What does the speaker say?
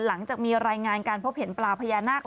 หลังจากมีรายงานการพบเห็นปลาพญานาค